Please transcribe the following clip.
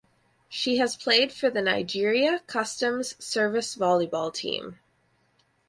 She has played for the Nigeria Customs Service volleyball team.